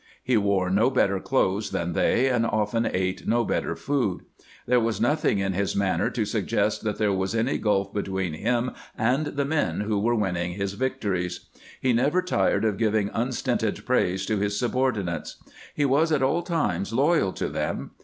He wore no better clothes than they, and often ate no better food. There was nothing in his manner to suggest that there was any gulf between him and the men who were winning his victories. He never tired of giving unstinted praise to his subordinates. He was at all times loyal to them.